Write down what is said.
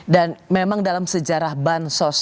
dan memang dalam sejarah bansos